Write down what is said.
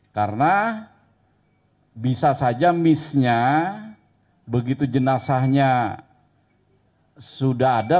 karena bisa saja misnya begitu jenazahnya sudah ada